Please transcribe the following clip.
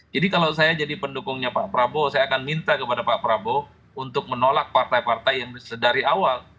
jadi kalau saya jadi pendukungnya pak prabowo saya akan minta kepada pak prabowo untuk menolak partai partai yang dari awal